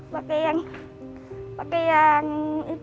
pakai yang pakai yang itu